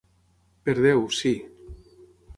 Per Déu, sí.